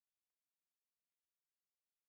مزار شریف ته تللی وای.